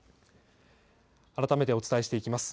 改めてお伝えしていきます。